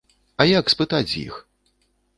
А як спытаць з іх?